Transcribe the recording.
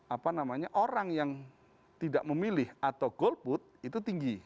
apa namanya orang yang tidak memilih atau golput itu tinggi